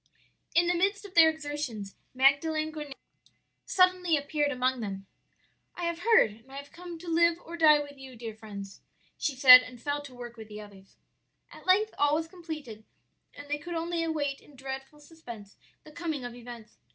"In the midst of their exertions Magdalen Goneto suddenly appeared among them. "'I have heard, and I come to live or die with you, dear friends,' she said, and fell to work with the others. "At length all was completed, and they could only await in dreadful suspense the coming of events.